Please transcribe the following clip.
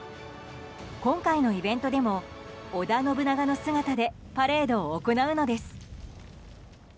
今回のイベントでも織田信長の姿でパレードを行うのです。